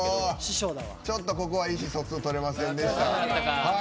ちょっとここは意思疎通とれませんでした。